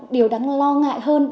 điều đáng lo ngại hơn là